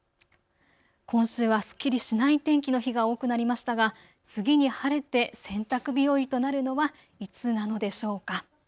今週はすっきりしない天気の日が多くなりましたが次に晴れて洗濯日和となるのはいつなのでしょうか。